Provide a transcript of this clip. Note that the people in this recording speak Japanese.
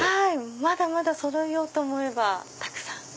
まだまだそろえようと思えばたくさん。